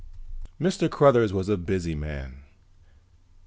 _ Mr. Cruthers was a busy man.